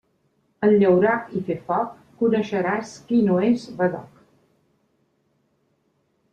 En llaurar i fer foc coneixeràs qui no és badoc.